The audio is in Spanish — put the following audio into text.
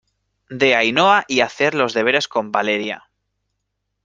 de Ainhoa y hacer los deberes con Valeria.